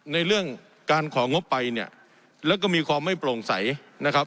ในเรื่องการของงบไปเนี่ยแล้วก็มีความไม่โปร่งใสนะครับ